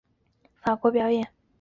之后到法国表演。